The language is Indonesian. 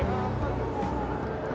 aku bilang udah aja